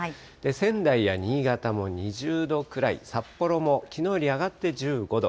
仙台や新潟も２０度くらい、札幌もきのうより上がって１５度。